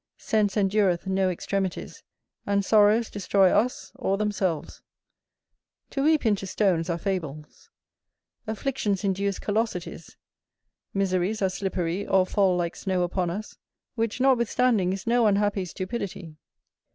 Sense endureth no extremities, and sorrows destroy us or themselves. To weep into stones are fables. Afflictions induce callosities; miseries are slippery, or fall like snow upon us, which notwithstanding is no unhappy stupidity.